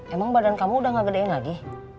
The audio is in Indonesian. emang badan kamu udah gak gedein lagi